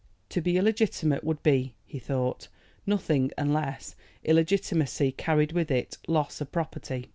To be illegitimate would be, he thought, nothing unless illegitimacy carried with it loss of property.